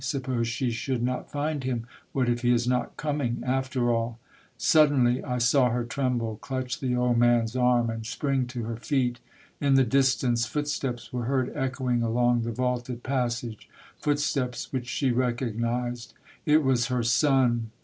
Suppose she should not find him ! What if he is not coming, after all ! Suddenly I saw her tremble, clutch the old man's arm, and spring to her feet. In the distance foot steps were heard echoing along the vaulted pass age, footsteps which she recognized. It was her son